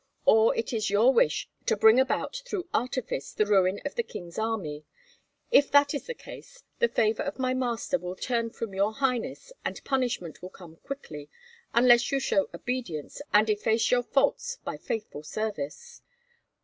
or it is your wish to bring about through artifice the ruin of the king's army. If that is the case, the favor of my master will turn from your highness, and punishment will come quickly, unless you show obedience and efface your faults by faithful service."